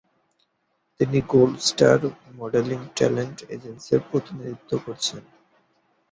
তিনি gold star modelling talent এজেন্সির প্রতিনিধিত্ব করছেন।